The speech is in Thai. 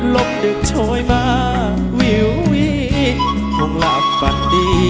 ลบดึกชะมัดลุงพ่อเยี่ยมต้องจำกาลชายแดนมาเลย